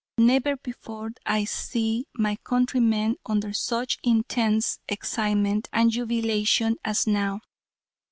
Never before did I see my countrymen under such intense excitement and jubilation as now.